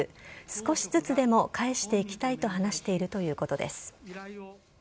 少しずつでも返していきたいと話しているということです。